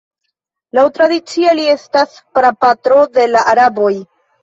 Laŭ tradicie li estas prapatro de la araboj.